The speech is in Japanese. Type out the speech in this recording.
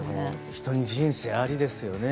人に人生ありですね。